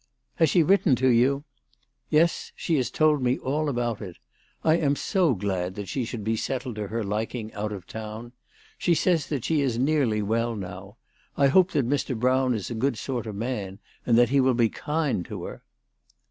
" Has she written to you ?"" Yes ; she has told me all about it. I am so glad that she should be settled to her liking, out of town. She says that she is nearly well now. I hope that Mr. Brown is a good sort of man, and that he will be kind to her."